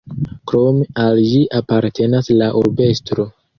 Krome al ĝi apartenas la urbestro.